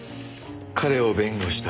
彼を弁護した。